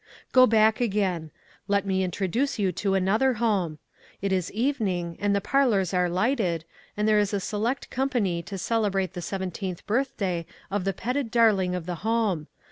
Go back again. Let me introduce you to another home. It is evening, and the par lors are lighted, and there is a select com pany to celebrate the seventeenth birthday of the petted darling of the home.